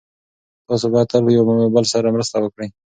تاسو باید تل یو بل سره مرسته وکړئ.